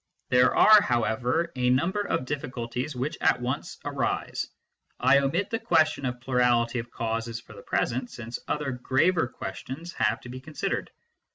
There are, however, a number of difficulties which at once arise. I omit the question of plurality of causes for the present, since other graver questions have to be considered.